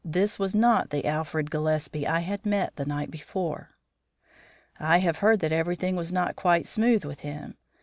This was not the Alfred Gillespie I had met the night before. "I have heard that everything was not quite smooth with him.